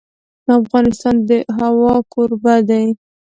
افغانستان د هوا کوربه دی.